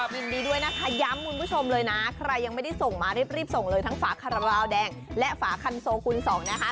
ยินดีด้วยนะคะย้ำคุณผู้ชมเลยนะใครยังไม่ได้ส่งมารีบส่งเลยทั้งฝาคาราบาลแดงและฝาคันโซคูณสองนะคะ